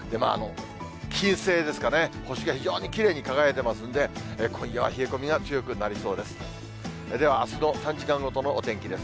金星ですかね、星が非常にきれいに輝いてますんで、今夜は冷え込みが強くなりそうです。